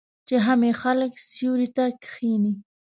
چې هم یې خلک سیوري ته کښیني.